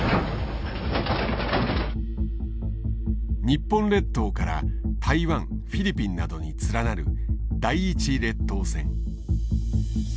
日本列島から台湾フィリピンなどに連なる第１列島線。